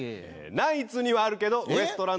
ナイツにはあるけどウエストランドにはない。